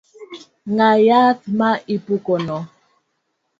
Nang’ yath ma ipukono